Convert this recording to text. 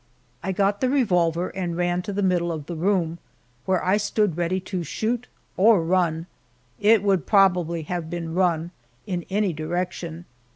I got the revolver and ran to the middle of the room, where I stood ready to shoot or run it would probably have been run in any direction.